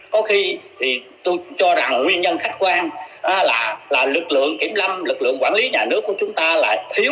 có khi thì tôi cho rằng nguyên nhân khách quan là lực lượng kiểm lâm lực lượng quản lý nhà nước của chúng ta là thiếu